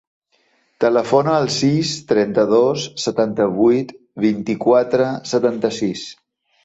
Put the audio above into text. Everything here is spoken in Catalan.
Telefona al sis, trenta-dos, setanta-vuit, vint-i-quatre, setanta-sis.